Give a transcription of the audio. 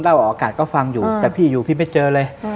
เล่าออกอากาศก็ฟังอยู่อืมแต่พี่อยู่พี่ไม่เจอเลยอืม